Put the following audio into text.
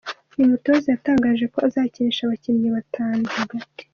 Uyu mutoza yatangaje ko azakinisha abakinnyi batanu hagati.